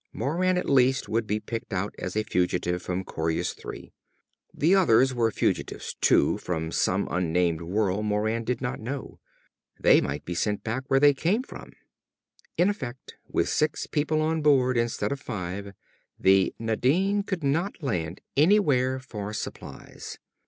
Moran, at least, would be picked out as a fugitive from Coryus Three. The others were fugitives too, from some unnamed world Moran did not know. They might be sent back where they came from. In effect, with six people on board instead of five, the Nadine could not land anywhere for supplies.